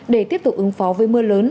để tiếp tục ứng phó với mưa lớn